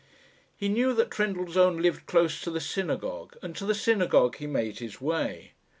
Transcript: He knew that Trendellsohn lived close to the synagogue, and to the synagogue he made his way.